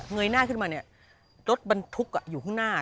ยหน้าขึ้นมาเนี่ยรถบรรทุกอยู่ข้างหน้า